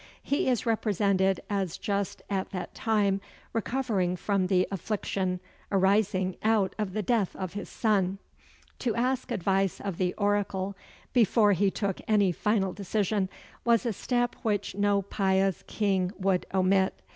He is represented as just at that time recovering from the affliction arising out of the death of his son. To ask advice of the oracle, before he took any final decision, was a step which no pious king would omit.